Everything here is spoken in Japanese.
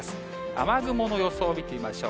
雨雲の予想を見てみましょう。